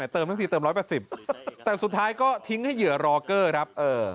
ทั้งทีเติม๑๘๐แต่สุดท้ายก็ทิ้งให้เหยื่อรอเกอร์ครับ